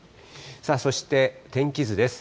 そして、天気図です。